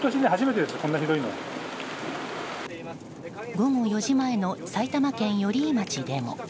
午後４時前の埼玉県寄居町でも。